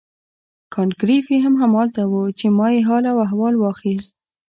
کانت ګریفي هم همالته وو چې ما یې حال و احوال واخیست.